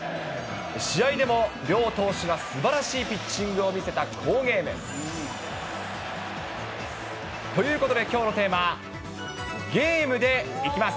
試合でも両投手がすばらしいピッチングを見せた好ゲーム。ということできょうのテーマ、ゲームでいきます。